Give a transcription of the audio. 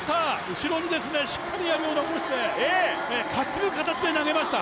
後ろにしっかりやりを残して担ぐ形で、投げました。